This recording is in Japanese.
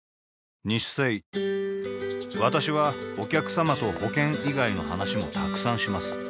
私はお客様と保険以外の話もたくさんします